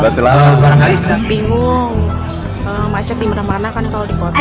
jadi bingung macet dimana mana kan kalau di foto